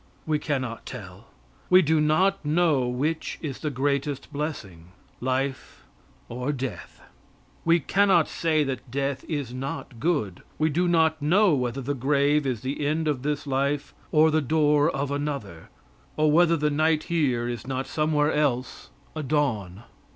We cannot tell. We do not know which is the greatest blessing, life or death. We cannot say that death is not good. We do not know whether the grave is the end of this life or the door of another, or whether the night here is not somewhere else a dawn.